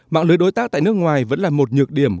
mạng lưới đối tác tại nước ngoài vẫn là một nhược điểm